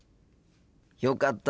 よかった。